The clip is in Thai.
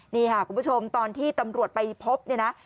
นี่ค่ะคุณผู้ชมตอนที่ตำรวจไปพบเนี่ยนะ